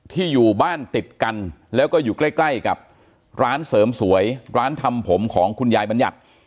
อยู่บ้านติดกันแล้วก็อยู่ใกล้ใกล้กับร้านเสริมสวยร้านทำผมของคุณยายบัญญัติ